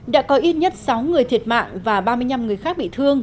đã có ít nhất sáu người thiệt mạng và ba mươi năm người khác bị thương